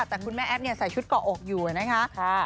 แต่คุณแม่แอฟใส่ชุดเกาะอกอยู่นะคะ